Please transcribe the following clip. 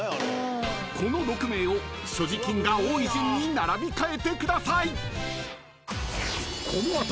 ［この６名を所持金が多い順に並び替えてください］